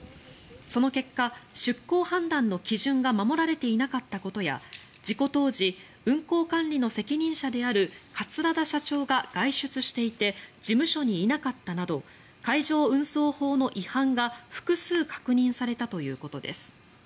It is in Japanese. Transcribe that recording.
その結果、出航判断の基準が守られていなかったことや事故当時運航管理の責任者である桂田社長が外出していて事務所にいなかったなど海上運送法の違反が複数確認されたということです。